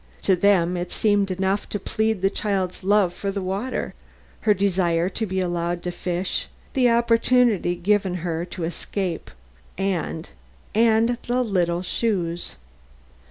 To them it seemed enough to plead the child's love for the water, her desire to be allowed to fish, the opportunity given her to escape, and the little shoes.